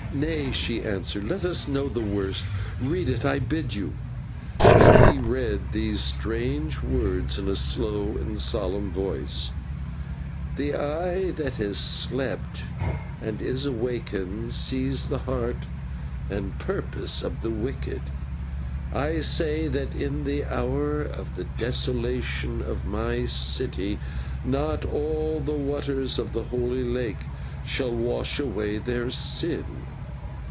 "Nay," she answered, "let us know the worst. Read it, I bid you." Then he read these strange words in a slow and solemn voice: "/The Eye that has slept and is awakened sees the heart and purpose of the wicked. I say that in the hour of the desolation of my city not all the waters of the Holy Lake shall wash away their sin.